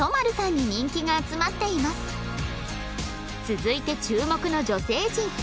続いて注目の女性陣